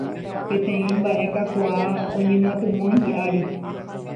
Peteĩ mbaʼe kakuaa oñemyatymói hiʼári.